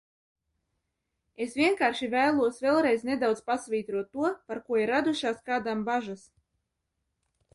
Es vienkārši vēlos vēlreiz nedaudz pasvītrot to, par ko ir radušās kādam bažas.